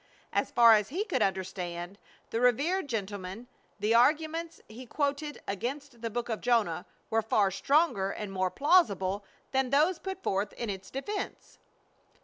As far as he could understand the reverend gentleman the arguments he quoted against the Book of Jonah were far stronger and more plausible than those put forth in its defense.